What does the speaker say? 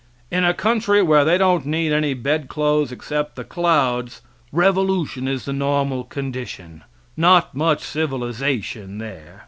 In a country where they don't need any bed clothes except the clouds, revolution is the normal condition not much civilization there.